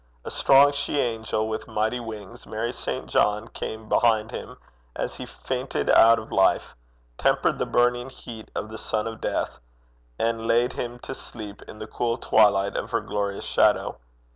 A strong she angel with mighty wings, Mary St. John came behind him as he fainted out of life, tempered the burning heat of the Sun of Death, and laid him to sleep in the cool twilight of her glorious shadow.